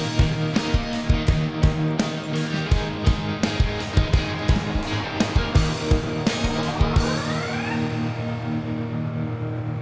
lu kesamben apa sih